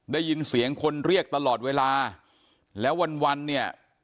ได้ยินเสียงคนเรียกตลอดเวลาแล้ววันวันเนี่ย